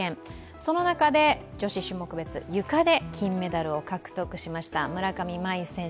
その中で女子種目別、ゆかで金メダルを獲得した村上茉愛選手。